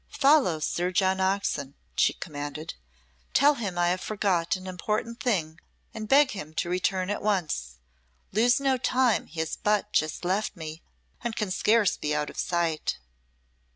"Follow Sir John Oxon," she commanded. "Tell him I have forgot an important thing and beg him to return at once. Lose no time. He has but just left me and can scarce be out of sight."